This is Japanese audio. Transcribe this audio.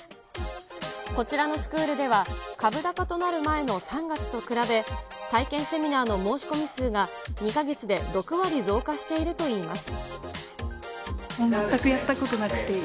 こちらのスクールでは、株高となる前の３月と比べ、体験セミナーの申し込み数が２か月で６割増加しているといいます。